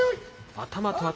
頭と頭。